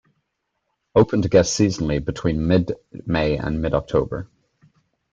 Open to guests seasonally between mid May and mid October.